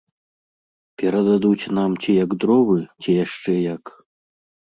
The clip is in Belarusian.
Перададуць нам ці як дровы, ці яшчэ як.